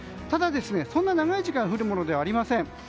ただ、そんな長い時間降るものではありません。